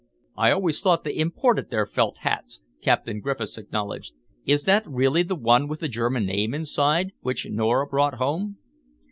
"I always thought they imported their felt hats," Captain Griffiths acknowledged. "Is that really the one with the German name inside, which Miss Nora brought home?"